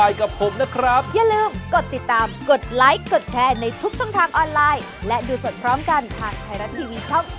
อย่าลืมติดตามกันนะครับ